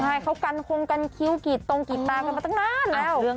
ใช่มันกำคงกันคิ้วกี่ตรงกี่ตรงมาตั้งนานแล้ว